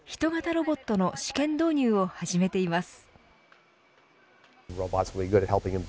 ロボットの試験導入を始めています。